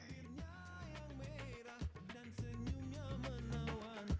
airnya yang merah dan senyumnya menawan